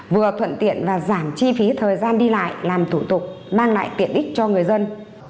vừa thuận tiện và giảm chi phí thời gian đi lại làm thủ tục mang lại tiện ích cho người dân